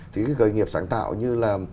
thì cái cơ nghiệp sáng tạo như là